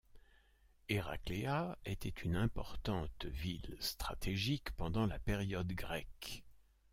Heraclea était une importante ville stratégique pendant la période grecque.